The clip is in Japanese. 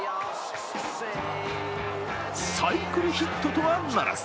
サイクルヒットとはならず。